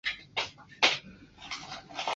双滦区是河北省承德市下辖的一个市辖区。